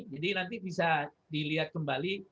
jadi nanti bisa dilihat kembali